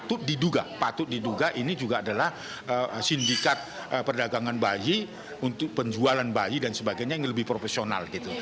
itu diduga patut diduga ini juga adalah sindikat perdagangan bayi untuk penjualan bayi dan sebagainya yang lebih profesional gitu